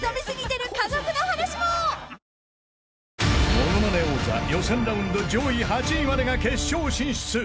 ［『ものまね王座』予選ラウンド上位８位までが決勝進出］